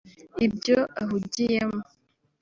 ibyo ahugiyemo